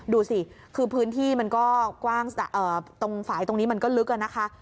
ดูสิคือพื้นที่มันก็กว้างตรงฝ่ายตรงนี้มันก็ลึกอะนะคะ